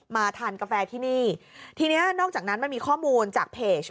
ทานกาแฟที่นี่ทีนี้นอกจากนั้นมันมีข้อมูลจากเพจ